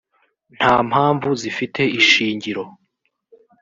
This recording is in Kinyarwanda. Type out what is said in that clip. nta mpamvu zifite ishingiro